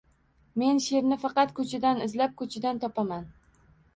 – Men she’rni faqat ko‘chadan izlab, ko‘chadan topaman.